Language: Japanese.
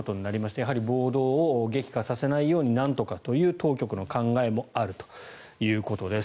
やはり暴動を激化させないようになんとかという当局の考えもあるということです。